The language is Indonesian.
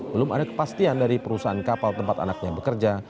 belum ada kepastian dari perusahaan kapal tempat anaknya bekerja